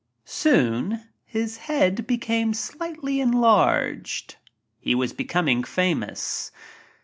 Soon his head became slightly enlarged — he was becoming famous.